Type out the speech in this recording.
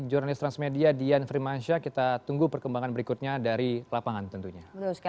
jurnalis transmedia dian frimansyah kita tunggu perkembangan berikutnya dari lapangan tentunya